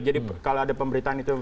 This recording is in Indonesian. jadi kalau ada pemberitaan itu